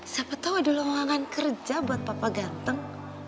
siapa tau ada ruangan kerja buat papa gateng